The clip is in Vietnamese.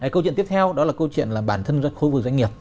câu chuyện tiếp theo đó là câu chuyện là bản thân khu vực doanh nghiệp